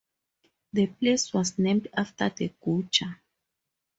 The place was named after the Gujar.